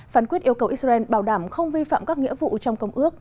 phán quyết yêu cầu israel bảo đảm không vi phạm các nghĩa vụ trong công ước